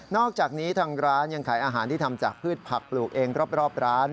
อกจากนี้ทางร้านยังขายอาหารที่ทำจากพืชผักปลูกเองรอบร้าน